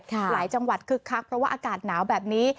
หลายจังหวัดคึกคักเพราะว่าอากาศหนาวแบบนี้